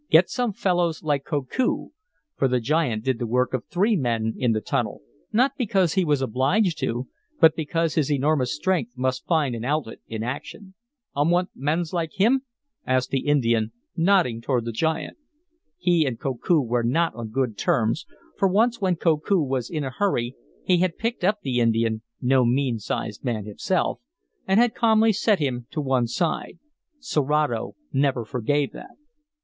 "Get some fellows like Koku," for the giant did the work of three men in the tunnel, not because he was obliged to, but because his enormous strength must find an outlet in action. "Um want mans like him?" asked the Indian, nodding toward the giant. He and Koku were not on good terms, for once, when Koku was a hurry, he had picked up the Indian (no mean sized man himself) and had calmly set him to one side. Serato never forgave that.